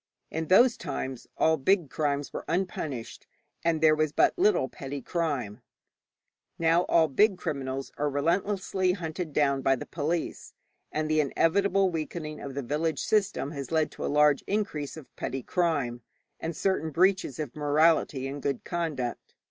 In those times all big crimes were unpunished, and there was but little petty crime. Now all big criminals are relentlessly hunted down by the police; and the inevitable weakening of the village system has led to a large increase of petty crime, and certain breaches of morality and good conduct.